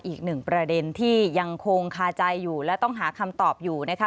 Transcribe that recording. อีกหนึ่งประเด็นที่ยังคงคาใจอยู่และต้องหาคำตอบอยู่นะคะ